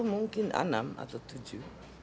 mungkin enam atau tujuh